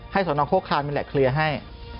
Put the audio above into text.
ให้ส่วนน้องโฆษฐานมีแหละเคลียร์ให้